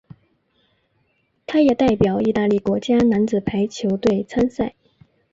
他也代表意大利国家男子排球队参赛。